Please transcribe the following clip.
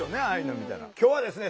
今日はですね